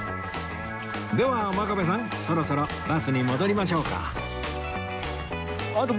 では真壁さんそろそろバスに戻りましょうか